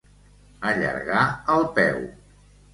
Allargar el peu.